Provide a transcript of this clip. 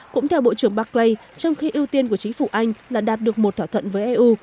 cũng theo bộ trưởng buckley trong khi ưu tiên của chính phủ anh là đạt được một thỏa thuận với eu